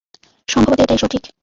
সম্ভবত এটাই সঠিক।